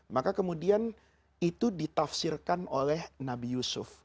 maka kemudian itu ditafsirkan oleh nabi yusuf